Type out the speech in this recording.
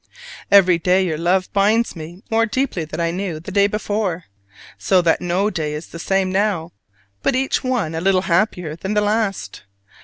Every day your love binds me more deeply than I knew the day before: so that no day is the same now, but each one a little happier than the last.